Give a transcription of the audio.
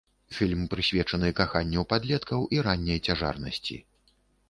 Фільм прысвечаны каханню падлеткаў і ранняй цяжарнасці.